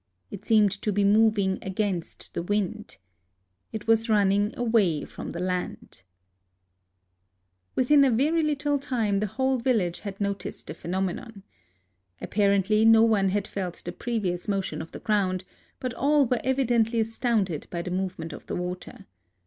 It seemed to be moving against the wind. It was running away from the land. 20 A LIVING GOD Within a very little time tlie whole village had noticed the phenomenon. Apparently no one had felt the previous motion of the ground, but all were evidently astounded by the move ment of the water.